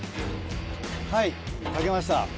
はいかけました。